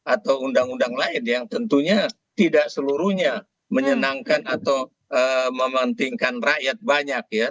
atau undang undang lain yang tentunya tidak seluruhnya menyenangkan atau memantingkan rakyat banyak ya